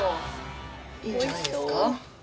いいんじゃないですか？